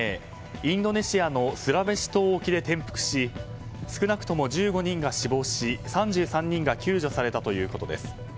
インドネシアのスラウェシ島沖で転覆し少なくとも１５人が死亡し３３人が救助されたということです。